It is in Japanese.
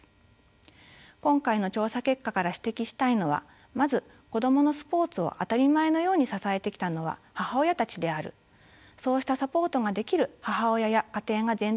今回の調査結果から指摘したいのはまず子どものスポーツを当たり前のように支えてきたのは母親たちであるそうしたサポートができる母親や家庭が前提にされているという事実です。